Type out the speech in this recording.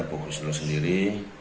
pungkus lua sendiri